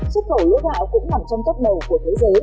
xuất khẩu lúa gạo cũng nằm trong tốc đầu của thế giới